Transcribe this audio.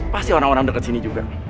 pasti orang orang dekat sini juga